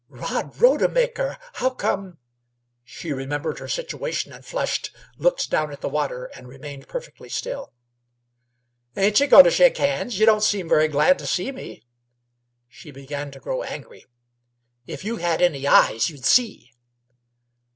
"Bod Rodemaker! How come " She remembered her situation and flushed, looked down at the water, and remained perfectly still. "Ain't you goin' to shake hands? Y' don't seem very glad t' see me." She began to grow angry. "If you had any eyes, you'd see."